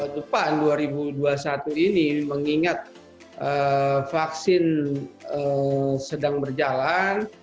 depan dua ribu dua puluh satu ini mengingat vaksin sedang berjalan